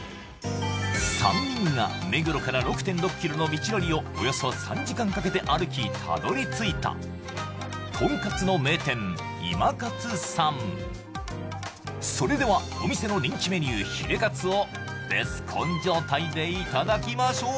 ３人が目黒から６．６ｋｍの道のりをおよそ３時間かけて歩きたどり着いたとんかつの名店それではお店の人気メニューヒレかつをベスコン状態でいただきましょう！